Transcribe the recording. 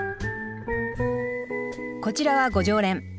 こちらはご常連。